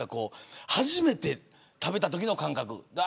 初めて食べたときの感覚。